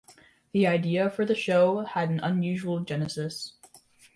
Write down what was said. The idea for the show had an unusual genesis.